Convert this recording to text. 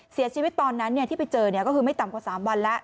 เสียชีวิตตอนนั้นที่ไปเจอก็คือไม่ต่ำกว่า๓วันแล้ว